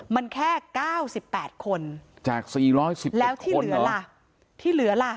มันแค่เก้าสิบแปดคนจากสี่ร้อยสิบเอ็ดคนเหรอแล้วที่เหลือล่ะ